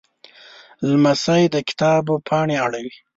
لمسی د کتاب پاڼې اړوي.